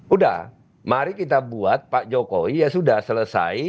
udah mari kita buat pak jokowi ya sudah selesai